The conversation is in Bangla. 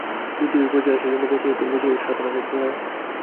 যদিও এই পর্যায়ে আসার জন্য বছরের পর বছর সাধনা করতে হয়।